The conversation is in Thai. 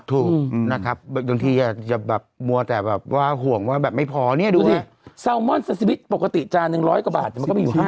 ถูกต้องมั้ยล่ะอย่างูจะคอยพูดอย่างจริง